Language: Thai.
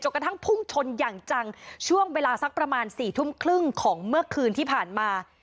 กระทั่งพุ่งชนอย่างจังช่วงเวลาสักประมาณสี่ทุ่มครึ่งของเมื่อคืนที่ผ่านมา